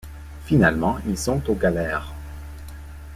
Finalement ils sont aux galères.